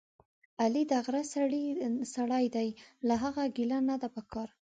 علي دغره سړی دی، له هغه ګیله نه ده پکار.